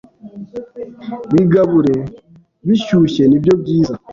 bigabure bishyushye nibyo byiza